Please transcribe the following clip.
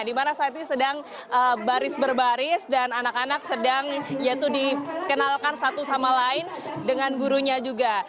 dimana saat ini sedang baris berbaris dan anak anak sedang yaitu dikenalkan satu sama lain dengan gurunya juga